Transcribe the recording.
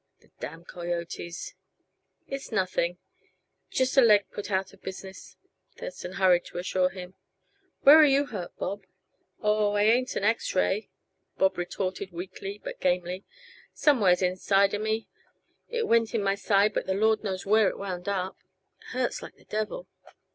"The damn coyotes!" "It's nothing; just a leg put out of business," Thurston hurried to assure him. "Where are you hurt, Bob?" "Aw, I ain't any X ray," Bob retorted weakly but gamely. "Somewheres inside uh me. It went in my side but the Lord knows where it wound up. It hurts, like the devil."